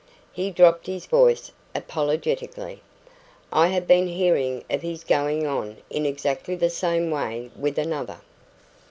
He dropped his voice apologetically. "I have been hearing of his going on in exactly the same way with another."